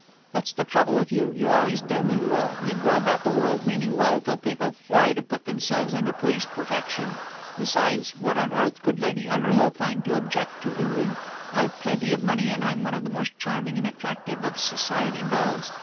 "That's the trouble with you. You always do mean well. You go about the world meaning well till people fly to put themselves under police protection. Besides, what on earth could Lady Underhill find to object to in me? I've plenty of money, and I'm one of the most charming and attractive of Society belles.